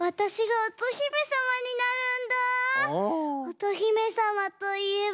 おとひめさまといえば。